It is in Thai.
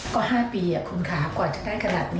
ก็๕ปีคุณค่ะกว่าจะได้ขนาดนี้